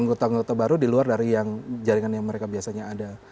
anggota anggota baru di luar dari yang jaringan yang mereka biasanya ada